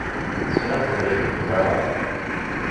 Teslamt d acu i d-qqaṛent?